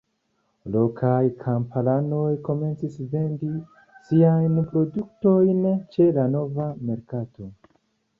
Lokaj kamparanoj komencis vendi siajn produktojn ĉe la nova merkato.